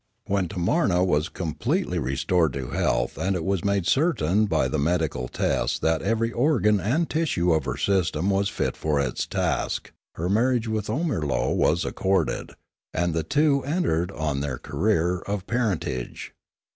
When Tamarna was completely restored to health An Accident 353 and it was made certain by the medical tests that every organ and tissue of her system was fit for its task, her marriage with Omirlo was accorded ; and the two en tered on their career of parentage.